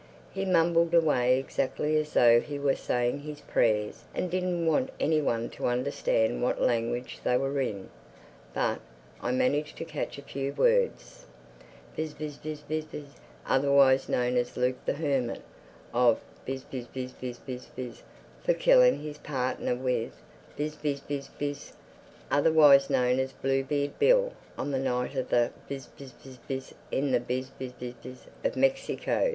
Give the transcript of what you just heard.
He mumbled away exactly as though he were saying his prayers and didn't want any one to understand what language they were in. But I managed to catch a few words: "Biz—biz—biz—biz—biz—otherwise known as Luke the Hermit, of—biz—biz—biz—biz—for killing his partner with—biz—biz—biz—otherwise known as Bluebeard Bill on the night of the—biz—biz—biz—in the biz—biz—biz—of Mexico.